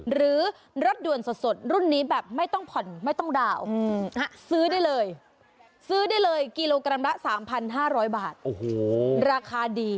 หรือรถด่วนสดรุ่นนี้แบบไม่ต้องผ่อนไม่ต้องดาวน์ซื้อได้เลยซื้อได้เลยกิโลกรัมละ๓๕๐๐บาทโอ้โหราคาดี